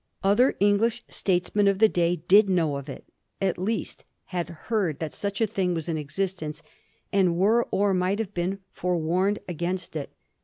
Other English statesmen of the day did know of it — ^at least, had heard that such a thing was in existence, and were or might have been forewarned against it.